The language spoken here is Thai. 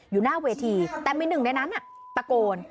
อยู่หน้าเวทีแต่มีหนึ่งในนั้นตะโกน